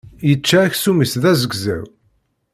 Yečča aksum-is d azegzaw.